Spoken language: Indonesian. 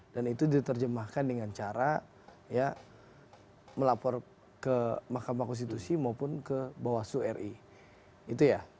dan itu diterjemahkan dengan cara ya melapor ke mahkamah konstitusi maupun ke bawasu ri itu ya